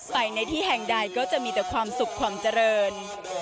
ในที่แห่งใดก็จะมีแต่ความสุขความเจริญ